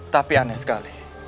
tapi aneh sekali